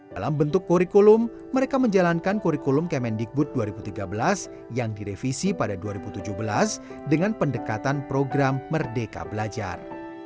dalam bentuk kurikulum mereka menjalankan kurikulum kemendikbud dua ribu tiga belas yang direvisi pada dua ribu tujuh belas dengan pendekatan program merdeka belajar